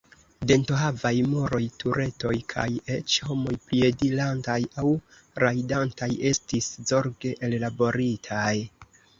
Dentohavaj muroj, turetoj kaj eĉ homoj piedirantaj aŭ rajdantaj estis zorge ellaboritaj.